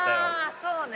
あそうね。